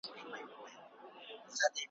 يوازي نصير هنر پښتون چي